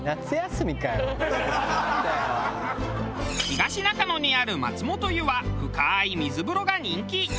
東中野にある松本湯は深い水風呂が人気。